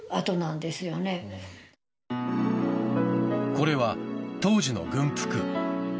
これは当時の軍服。